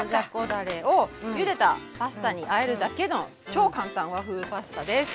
だれをゆでたパスタにあえるだけの超簡単和風パスタです。